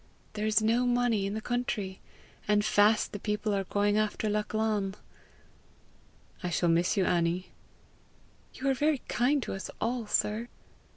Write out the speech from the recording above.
There is no money in the country! And fast the people are going after Lachlan!" "I shall miss you, Annie!" "You are very kind to us all, sir."